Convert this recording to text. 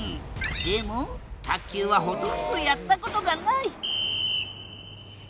でも卓球はほとんどやったことがない！